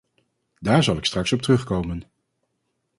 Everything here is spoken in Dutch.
Daar zal ik straks op terugkomen.